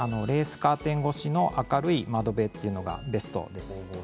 カーテン越しの明るい窓辺というのがベストです。